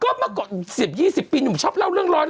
ก็เมื่อก่อน๑๐๒๐ปีหนุ่มชอบเล่าเรื่องร้อน